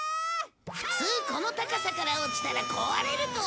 普通この高さから落ちたら壊れると思うんだけど